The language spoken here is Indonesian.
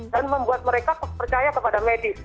dan membuat mereka percaya kepada medis